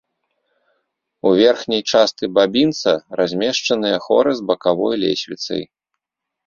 У верхняй частцы бабінца размешчаныя хоры з бакавой лесвіцай.